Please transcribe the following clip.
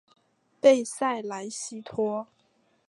贝塞莱西托。